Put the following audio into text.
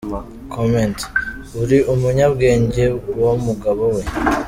Comment: Uri umunyabwenge wa mugabo we!